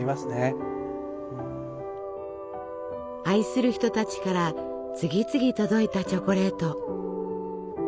愛する人たちから次々届いたチョコレート。